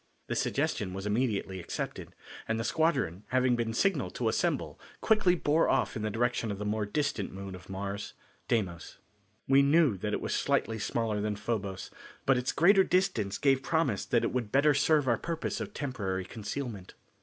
This suggestion was immediately accepted, and the squadron having been signalled to assemble quickly bore off in the direction of the more distant moon of Mars, Deimos. We knew that it was slightly smaller than Phobos but its greater distance gave promise that it would better serve our purpose of temporary concealment.